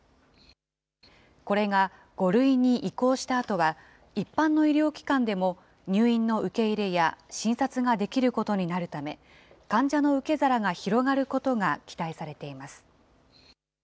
これが、５類に移行したあとは、一般の医療機関でも入院の受け入れや診察ができることになるため、患者の受け皿が広がることが期待されています。